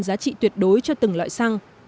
giá trị tuyệt đối cho từng loại xăng